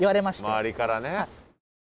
周りからね。